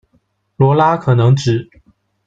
罗拉可能指：